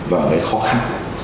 và một cái khó khăn